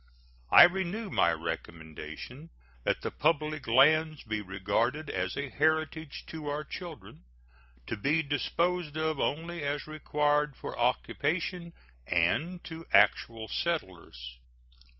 I renew my recommendation that the public lands be regarded as a heritage to our children, to be disposed of only as required for occupation and to actual settlers.